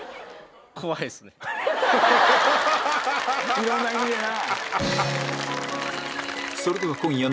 いろんな意味でな。